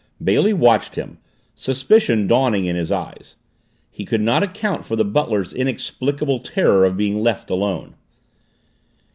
Bailey watched him, suspicion dawning in his eyes. He could not account for the butler's inexplicable terror of being left alone.